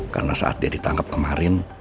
karena saat dia ditangkap kemarin